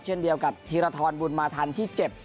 เช่นเดียวกับธิระทรบุรมาธรรมที่เจ็บ